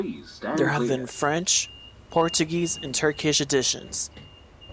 There have been French, Portuguese and Turkish editions.